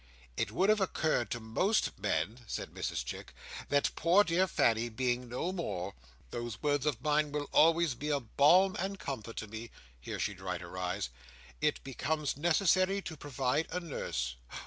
"It would have occurred to most men," said Mrs Chick, "that poor dear Fanny being no more,—those words of mine will always be a balm and comfort to me," here she dried her eyes; "it becomes necessary to provide a Nurse."